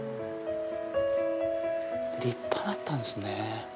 立派だったんですねぇ。